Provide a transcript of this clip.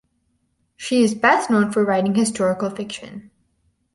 She is best known for writing historical fiction.